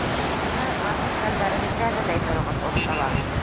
Йылы, матур шәлдәрегеҙҙе әҙерләй тороғоҙ, оҫталар!